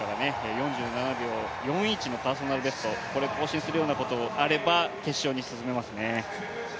４７秒４１のパーソナルベストを更新するようなことがあれば決勝に進めますね。